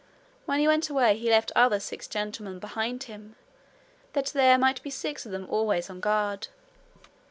When he went away he left other six gentlemen behind him, that there might be six of them always on guard.